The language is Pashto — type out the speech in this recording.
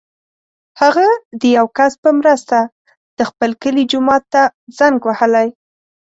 هغه د یو کس په مرسته د خپل کلي جومات ته زنګ وهلی.